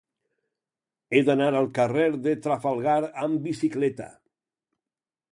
He d'anar al carrer de Trafalgar amb bicicleta.